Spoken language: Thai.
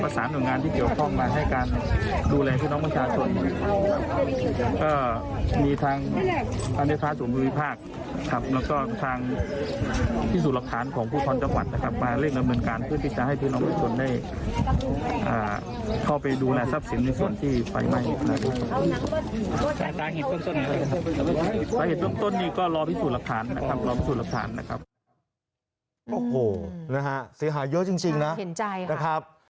สาเหตุต้นนี่ก็รอพิสูจน์รับฐาน